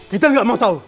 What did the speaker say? kita nggak mau tau